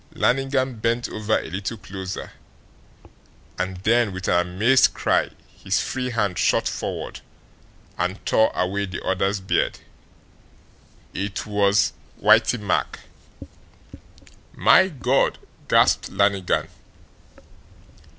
Lannigan bent over a little closer, and then, with an amazed cry, his free hand shot forward and tore away the other's beard. IT WAS WHITEY MACK! "My God!" gasped Lannigan.